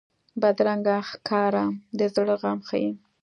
بدرنګه ښکاره د زړه غم ښيي